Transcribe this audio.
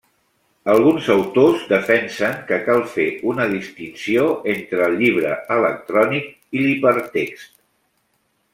Alguns autors defensen que cal fer una distinció entre el llibre electrònic i l'hipertext.